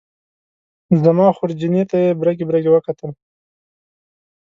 زما خورجینې ته یې برګې برګې وکتل.